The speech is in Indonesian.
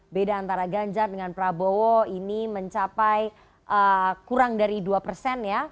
beda antara ganjar dengan prabowo ini mencapai kurang dari dua persen ya